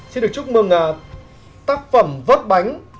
xin được chúc mừng tác phẩm vớt bánh